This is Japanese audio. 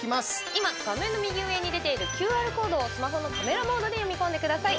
今、画面の右上に出ているＱＲコードをスマホのカメラモードで読み込んでください。